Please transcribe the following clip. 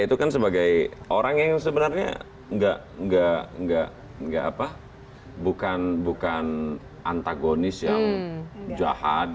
itu kan sebagai orang yang sebenarnya enggak enggak enggak enggak apa bukan bukan antagonis yang jahat